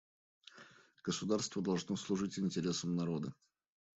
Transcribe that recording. Государство должно служить интересам народа.